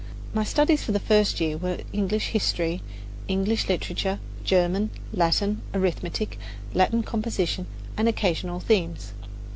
My studies for the first year were English history, English literature, German, Latin, arithmetic, Latin composition and occasional themes.